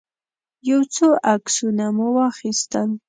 يو څو عکسونه مو واخيستل.